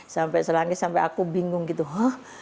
sampai selangis sampai aku bingung gitu